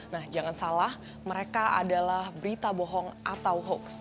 nah jangan salah mereka adalah berita bohong atau hoax